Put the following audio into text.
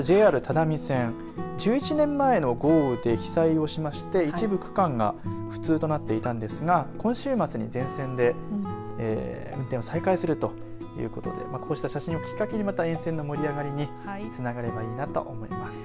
ＪＲ只見線、１１年前の豪雨で被災をしまして一部区間で不通となっていたんですが今週末に、全線で運転を再開するということでこうした写真をきっかけにまた沿線の盛り上がりにつながればいいなと思います。